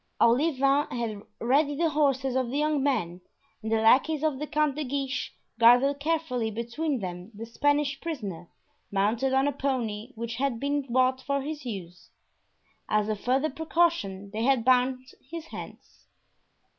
Olivain had ready the horses of the young men, and the lackeys of the Count de Guiche guarded carefully between them the Spanish prisoner, mounted on a pony which had been bought for his use. As a further precaution they had bound his hands.